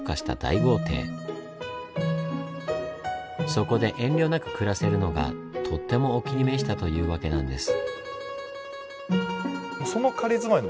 そこで遠慮なく暮らせるのがとってもお気に召したというわけなんです。